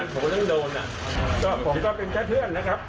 ก็บอกว่าเป็นแค่เพื่อนนะครับ